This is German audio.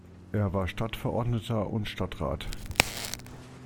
Er war Stadtverordneter und Stadtrat.